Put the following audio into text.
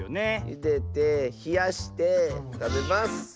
ゆでてひやしてたべます。